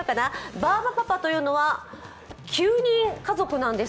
バーバパパというのは、９人家族なんです。